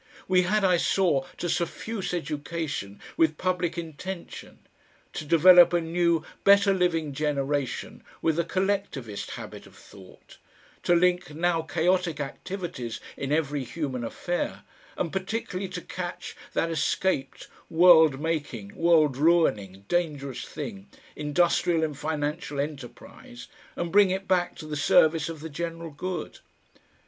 We had, I saw, to suffuse education with public intention, to develop a new better living generation with a collectivist habit of thought, to link now chaotic activities in every human affair, and particularly to catch that escaped, world making, world ruining, dangerous thing, industrial and financial enterprise, and bring it back to the service of the general good.